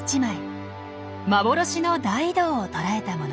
幻の大移動をとらえたもの。